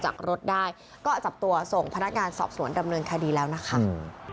จากรถได้ก็จับตัวส่งพนักงานสอบสวนดำเนินคดีแล้วนะคะ